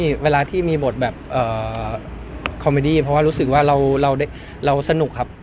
ความสนใจเพราะรู้สึกว่าเราสนุกครับ